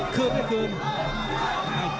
คลืมให้คลืม